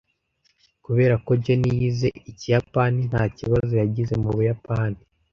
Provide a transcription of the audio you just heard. Kubera ko Jenny yize Ikiyapani, nta kibazo yagize mu Buyapani.